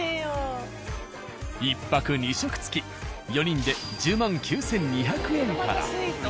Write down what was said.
１泊２食付き４人で１０９，２００円から。